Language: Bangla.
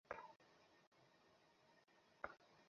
তিনি তার অংশের পরিকল্পনা তাদের সামনে প্রকাশের ঝুকি নিয়েছিলেন।